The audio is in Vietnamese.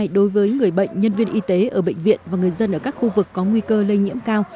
đối với người bệnh nhân viên y tế ở bệnh viện và người dân ở các khu vực có nguy cơ lây nhiễm cao